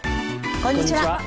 こんにちは。